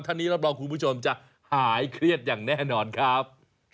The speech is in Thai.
ท่านนี้รับรองคุณผู้ชมจะหายเครียดอย่างแน่นอนครับ